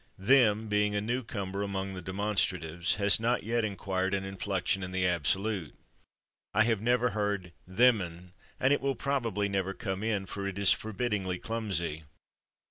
/Them/, being a newcomer among the demonstratives, has not yet acquired an inflection in the absolute. I have never heard /them'n/, and it will probably never come in, for it is forbiddingly clumsy.